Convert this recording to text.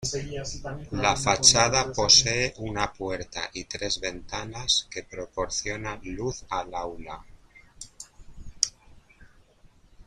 La fachada posee una puerta y tres ventanas que proporcionan luz al "aula".